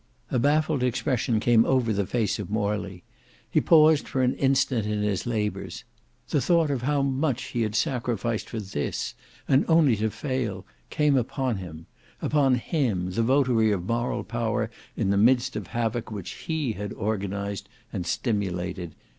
A baffled expression came over the face of Morley; he paused for an instant in his labours. The thought of how much he had sacrificed for this, and only to fail, came upon him—upon him, the votary of Moral Power in the midst of havoc which he had organised and stimulated.